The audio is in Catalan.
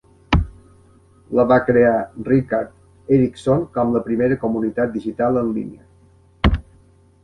La va crear Rickard Eriksson com la primera comunitat digital en línia.